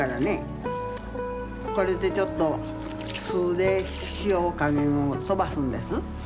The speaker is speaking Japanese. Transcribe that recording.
これでちょっと酢で塩加減を飛ばすんです。